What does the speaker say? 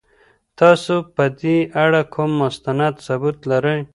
تاسو په دې اړه کوم مستند ثبوت لرئ؟